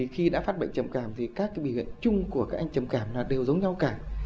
khi đã phát bệnh trầm cảm thì các bì huyện chung của các anh trầm cảm là đều giống nhau cả